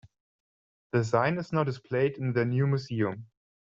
The sign is now displayed in their new museum.